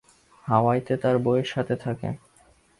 হাওয়াইতে তার বউয়ের সাথে থাকে।